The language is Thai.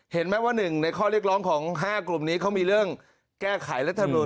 เห็นไหมว่าหนึ่งในข้อเรียกร้องของ๕กลุ่มนี้เขามีเรื่องแก้ไขรัฐมนุน